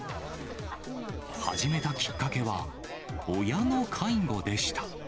始めたきっかけは、親の介護でした。